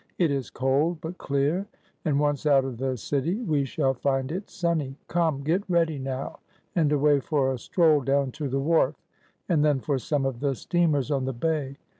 It is cold, but clear; and once out of the city, we shall find it sunny. Come: get ready now, and away for a stroll down to the wharf, and then for some of the steamers on the bay.